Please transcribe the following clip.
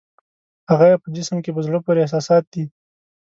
هغه یې په جسم کې په زړه پورې احساسات دي.